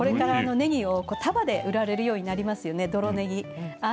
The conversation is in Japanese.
ねぎが束で売られるようになりますね、これから。